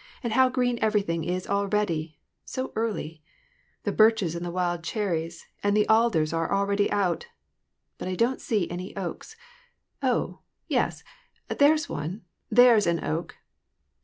" And how green everything is already ! so early ! The birches and the wild cherries and the alders are already out. But I don't see any oaks. Oh, yes, there's one, there's an oak